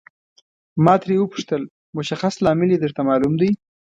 ما ترې وپوښتل مشخص لامل یې درته معلوم دی.